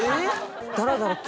ダラダラって。